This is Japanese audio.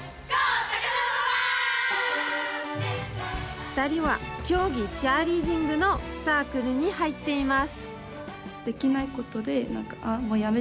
２人は、競技チアリーディングのサークルに入っています。